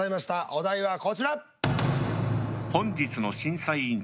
お題はこちら。